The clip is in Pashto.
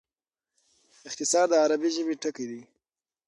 اختصار د عربي ژبي ټکی دﺉ.